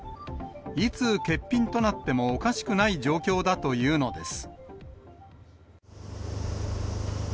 いつ欠品となってもおかしくない状況だというのです。